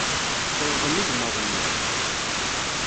Tselḍem igmaḍ-nni.